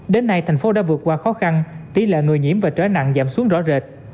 đến nay thành phố đã vượt qua khó khăn tỷ lệ người nhiễm và trở nặng giảm xuống rõ rệt